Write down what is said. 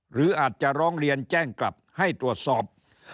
หรืออาจจะร้องเรียนแจ้งกลับให้ตรวจสอบ